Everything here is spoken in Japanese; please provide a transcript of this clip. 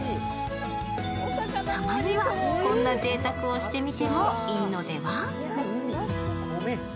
たまにはこんなぜいたくをしてみてもいいのでみ？